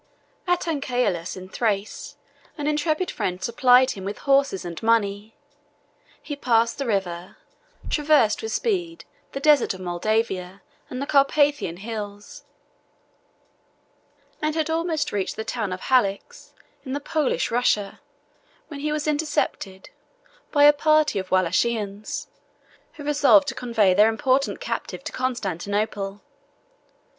At Anchialus in Thrace, an intrepid friend supplied him with horses and money: he passed the river, traversed with speed the desert of Moldavia and the Carpathian hills, and had almost reached the town of Halicz, in the Polish Russia, when he was intercepted by a party of Walachians, who resolved to convey their important captive to Constantinople.